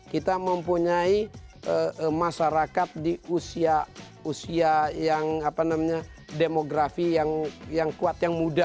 kita mempunyai masyarakat di usia yang demografi yang kuat yang muda